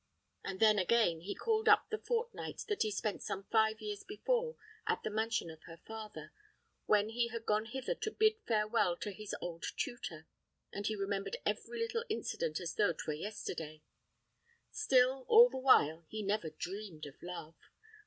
And then, again, he called up the fortnight that he spent some five years before at the mansion of her father, when he had gone thither to bid farewell to his old tutor; and he remembered every little incident as though 'twere yesterday. Still, all the while, he never dreamed of love.